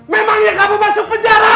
memangnya kamu masuk penjara